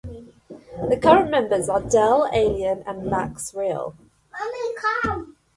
The current members are Del Alien and Max Rael.